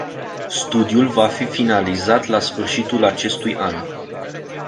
Studiul va fi finalizat la sfârșitul acestui an.